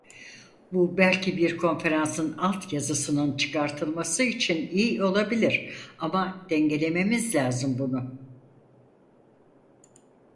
Bu belki bir konferansın alt yazısının çıkartılması için iyi olabilir, ama dengelememiz lazım bunu.